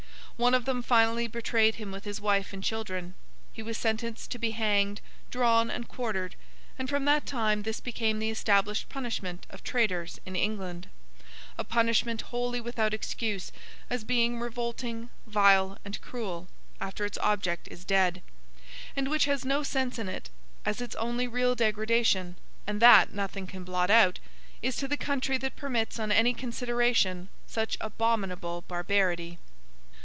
One of them finally betrayed him with his wife and children. He was sentenced to be hanged, drawn, and quartered; and from that time this became the established punishment of Traitors in England—a punishment wholly without excuse, as being revolting, vile, and cruel, after its object is dead; and which has no sense in it, as its only real degradation (and that nothing can blot out) is to the country that permits on any consideration such abominable barbarity.